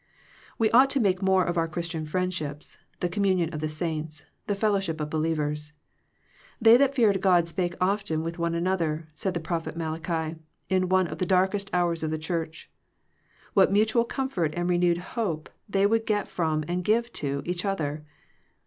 We ought to make more of our Christian friendships, the communion of the saints, the fellowship of believers. "They that feared God spake often one with another," said the prophet Malachi in one of the darkest hours of the church. What mutual comfort, and renewed hope, they would get from, and give to, each other!